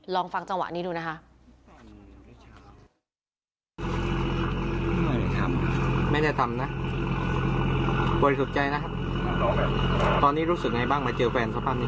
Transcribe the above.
ลองฟังจังหวะนี้ดูนะคะ